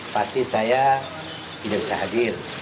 pasti saya tidak bisa hadir